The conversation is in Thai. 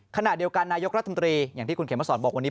ขณะเดียวกันนายกรัฐมนตรีอย่างที่คุณเขมสอนบอกวันนี้